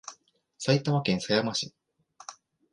埼玉県狭山市